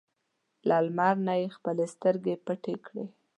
له لمر نه یې خپلې سترګې پټې کړې.